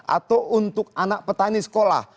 atau untuk anak petani sekolah